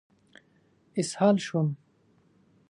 اسهال شوم.